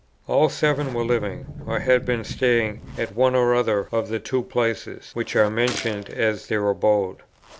All seven were living, or had been staying, at one or other of the two places which are mentioned as their abode.